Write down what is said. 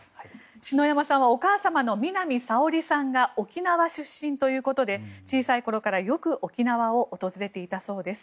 篠山さんはお母様の南沙織さんが沖縄出身ということで小さいころからよく沖縄を訪れていたそうです。